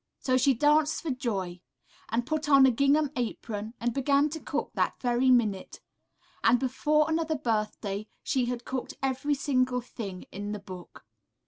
So she danced for joy, and put on a gingham apron and began to cook that very minute, and before another birthday she had cooked every single thing in the book.